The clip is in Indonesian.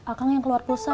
akang yang keluar pulsa